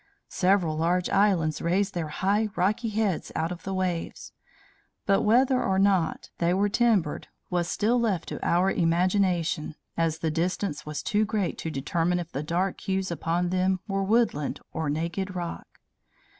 Several large islands raised their high rocky heads out of the waves; but whether or not they were timbered was still left to our imagination, as the distance was too great to determine if the dark hues upon them were woodland or naked rock.